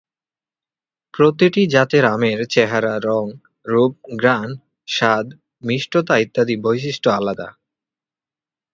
প্রতিটি জাতের আমের চেহারা, রং, রূপ, ঘ্রাণ, স্বাদ, মিষ্টতা ইত্যাদি বৈশিষ্ট্য আলাদা।